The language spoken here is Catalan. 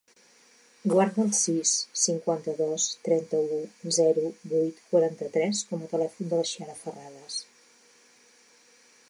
Guarda el sis, cinquanta-dos, trenta-u, zero, vuit, quaranta-tres com a telèfon de la Chiara Ferradas.